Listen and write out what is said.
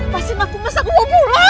kenapa dampak kesana